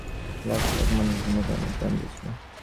লাখ লাখ মানুষ বিনা কারণেই প্রাণ দিয়েছে।